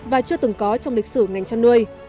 và chưa từng có trong lịch sử ngành chăn nuôi